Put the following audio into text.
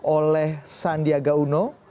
oleh sandiaga uno